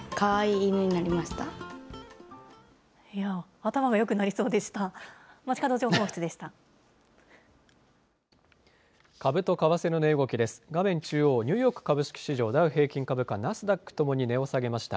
頭がよくなりそうでした。